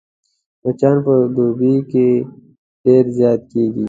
مچان په دوبي کې ډېر زيات کېږي